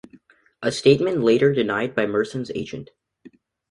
A statement later denied by Merson's agent.